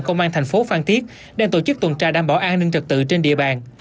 công an thành phố phan thiết đang tổ chức tuần tra đảm bảo an ninh trật tự trên địa bàn